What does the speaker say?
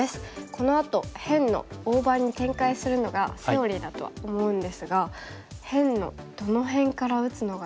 このあと辺の大場に展開するのがセオリーだとは思うんですが辺のどの辺から打つのがよいのでしょうか。